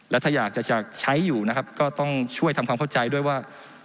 และถ้าอยากจะใช้อยู่นะครับก็ต้องช่วยทำความเข้าใจด้วยว่า